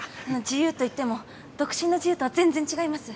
自由といっても独身の自由とは全然違います。